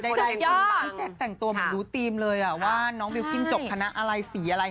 พี่แจ๊คแต่งตัวเหมือนรู้ธีมเลยว่าน้องบิลกิ้นจบคณะอะไรสีอะไร